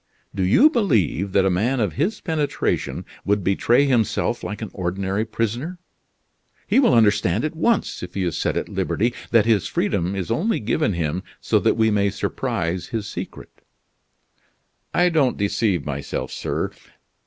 Do you believe that a man of his penetration would betray himself like an ordinary prisoner? He will understand at once, if he is set at liberty, that his freedom is only given him so that we may surprise his secret." "I don't deceive myself, sir.